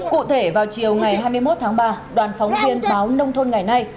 cụ thể vào chiều ngày hai mươi một tháng ba đoàn phóng viên báo nông thôn ngày nay